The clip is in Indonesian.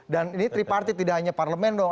dan ini triparti tidak hanya parlemen dong